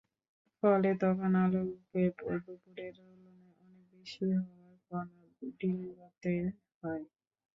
ফলে তখন আলোকে দুপুরের তুলনায় অনেক বেশি হাওয়ার কণা ডিঙোতে হয়।